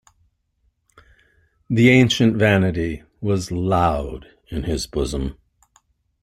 The ancient vanity was loud in his bosom.